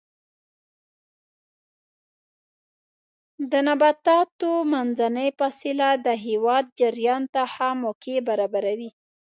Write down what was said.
د نباتاتو منځنۍ فاصله د هوا جریان ته ښه موقع برابروي.